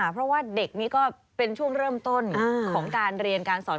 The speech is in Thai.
เพราะว่าเด็กนี้ก็เป็นช่วงเริ่มต้นของการเรียนการสอน